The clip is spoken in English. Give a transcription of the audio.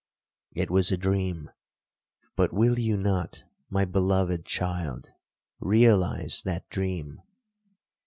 It was a dream, but will you not, my beloved child, realize that dream?